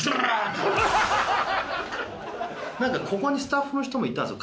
何かここにスタッフの人もいたんですよ